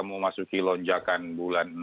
memasuki lonjakan bulan enam